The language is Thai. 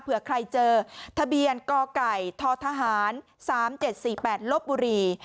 เผื่อใครเจอทะเบียนกไก่ททหารสามเจ็ดสี่แปดลบบุรี